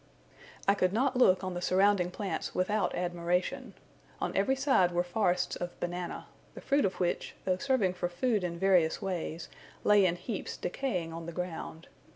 I could not look on the surrounding plants without admiration. On every side were forests of banana; the fruit of which, though serving for food in various ways, lay in heaps decaying on the ground.